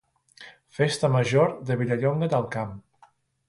Festa Major de Vilallonga del Camp